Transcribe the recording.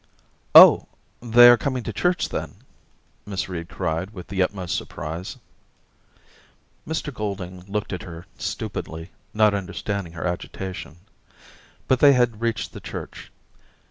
* Oh ! they are coming to church, then !' Miss Reed cried with the utmost surprise. Mr Golding looked at her stupidly, not understanding her agitation. . But they had reached the church.